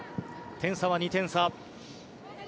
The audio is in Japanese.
点差は２点差。